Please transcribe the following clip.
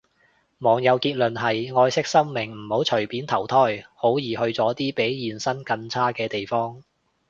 網友結論係，愛惜生命唔好隨便投胎，好易去咗啲比現生更差嘅地方